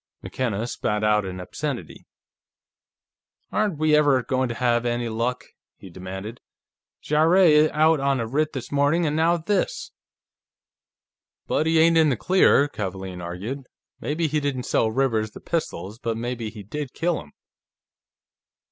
McKenna spat out an obscenity. "Aren't we ever going to have any luck?" he demanded. "Jarrett out on a writ this morning, and now this!" "But he ain't in the clear," Kavaalen argued. "Maybe he didn't sell Rivers the pistols, but maybe he did kill him."